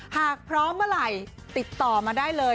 หากพร้อมเมื่อไหร่ติดต่อมาได้เลย